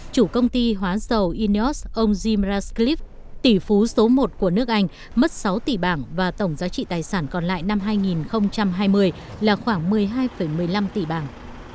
chủ công ty hóa dầu ineos ông jim rasclif tỷ phú số một của nước anh mất sáu tỷ bảng và tổng giá trị tài sản còn lại năm hai nghìn hai mươi là khoảng một mươi hai một mươi năm tỷ bảng